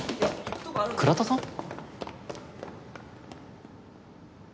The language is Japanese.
倉田さん？